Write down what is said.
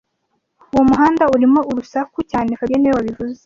Uwo muhanda urimo urusaku cyane fabien niwe wabivuze